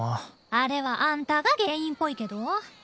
あれはあんたが原因っぽいけど？